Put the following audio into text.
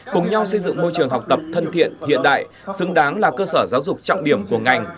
cùng nhau xây dựng môi trường học tập thân thiện hiện đại xứng đáng là cơ sở giáo dục trọng điểm của ngành